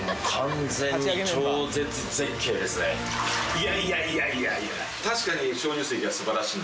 いやいやいやいやいや。